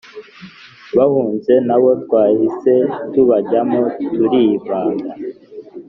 bahunze nabo twahise tubajyamo turivanga